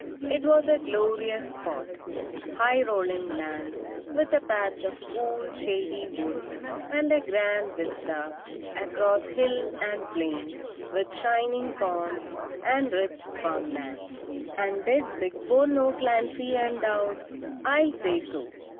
It was a glorious spot; high, rolling land, with a patch of cool, shady woods, and a grand vista across hill and plain, with shining ponds and rich farm lands. And did "Big Four" know Clancy and Dowd? I'll say so!